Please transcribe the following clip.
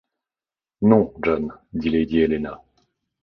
Non, John, dit lady Helena.